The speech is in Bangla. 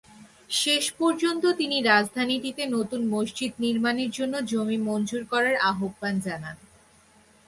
শেষ পর্যন্ত তিনি রাজধানীতে নতুন মসজিদ নির্মাণের জন্য জমি মঞ্জুর করার আহ্বান জানান।